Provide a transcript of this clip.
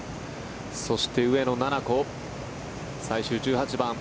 そして、上野菜々子最終１８番。